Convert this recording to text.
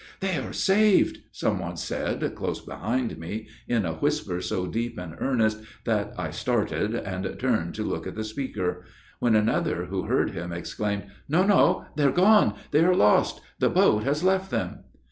"They are saved!" some one said, close behind me, in a whisper so deep and earnest that I started, and turned to look at the speaker; when another, who heard him, exclaimed, "No, no! they are gone! they are lost! the boat has left them!"